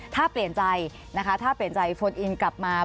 ถ้าเปลี่ยนใจโฟนอินกลับมา